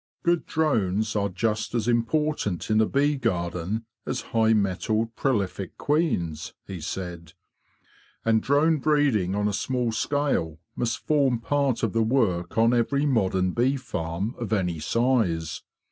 '' ""Good drones are just as important in a bee garden as high mettled, prolific queens,'' he said; "and drone breeding on a small scale must form part of the work on every modern bee farm of any size.